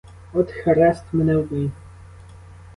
От хрест мене вбий!